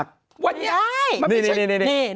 ทางหลังมดดำเนี่ย